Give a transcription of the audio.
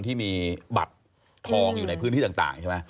แต่มีบัตรทองอยู่ในพื้นที่ต่าง